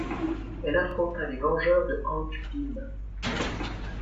Elle affronta les Vengeurs de Hank Pym.